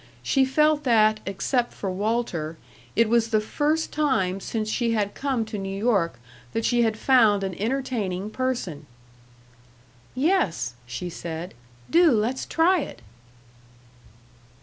She felt that, except for Walter, it was the first time since she had come to New York that she had found an entertaining person. "Yes," she said, "do let's try it."